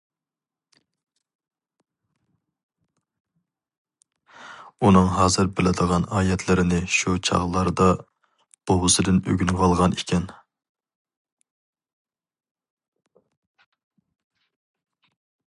ئۇنىڭ ھازىر بىلىدىغان ئايەتلىرىنى شۇ چاغلاردا بوۋىسىدىن ئۆگىنىۋالغان ئىكەن.